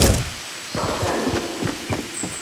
Sseɣtan-t.